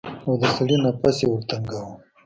او د سړي نفس يې ورټنگاوه.